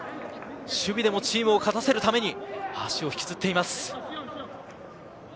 守備でもチームを勝たせるために、足を引きずっています。